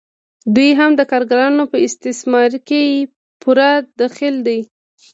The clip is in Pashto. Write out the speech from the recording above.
دوی هم د کارګرانو په استثمار کې پوره دخیل دي